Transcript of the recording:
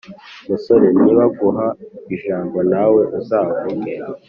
Musore, nibaguha ijambo nawe uzavuge,